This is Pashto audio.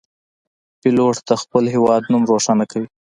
پیلوټ د خپل هیواد نوم روښانه کوي.